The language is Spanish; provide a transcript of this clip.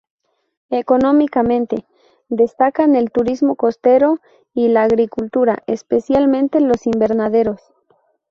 Económicamente, destacan el turismo costero y la agricultura, especialmente los invernaderos.